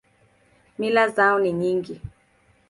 Mila zao ni nyingi.